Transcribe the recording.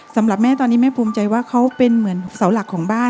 สำหรับแม่ตอนนี้แม่ภูมิใจว่าเขาเป็นเหมือนเสาหลักของบ้าน